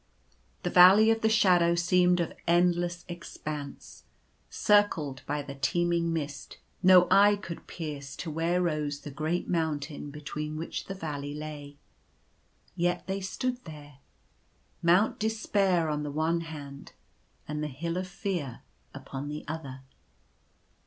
The Valley of the Shadow seemed of endless expanse. Circled by the teeming mist, no eye could pierce to where rose the great mountains between which the Valley lay. Yet they stood there — Mount Despair on the one hand, and the Hill of Fear upon the other.